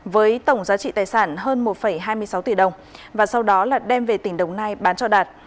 với tổng giá trị tài sản hơn một hai mươi sáu tỷ đồng và sau đó là đem về tỉnh đồng nai bán cho đạt